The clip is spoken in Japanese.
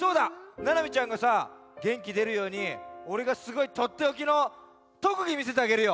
ななみちゃんがさげんきでるようにおれがすごいとっておきのとくぎみせてあげるよ！